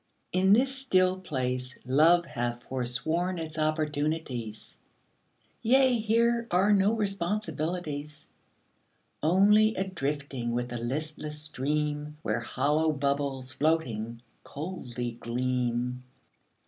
In this still place Love hath forsworn its opportunities. Yea, here are no responsibilities. Only a drifting with the listless stream Where hollow bubbles, floating, coldly gleam.